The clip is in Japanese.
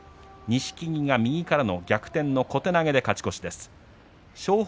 錦木、逆転の小手投げで勝ち越しです。